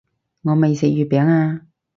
我未食月餅啊